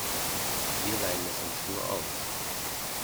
Wir leihen es uns nur aus.